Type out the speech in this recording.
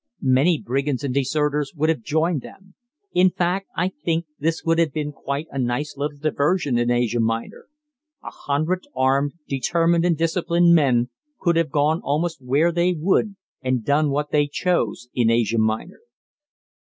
Many brigands and deserters would have joined them. In fact, I think this would have been quite a nice little diversion in Asia Minor. A hundred armed, determined, and disciplined men could have gone almost where they would and done what they chose in Asia Minor.